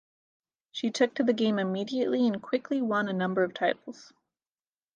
She took to the game immediately and quickly won a number of titles.